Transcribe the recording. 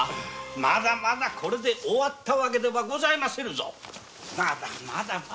まだまだこれで終わったわけではございませんぞまだ。